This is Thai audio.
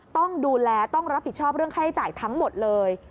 ต้องดูแลต้องรับผิดชอบเรื่องค่าใช้จ่ายทั้งหมดเลย